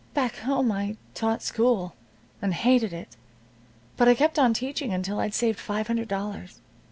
"Back home I taught school and hated it. But I kept on teaching until I'd saved five hundred dollars.